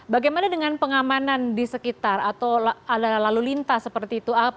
bagaimana dengan pengamanan di sekitar atau lalu lintas seperti itu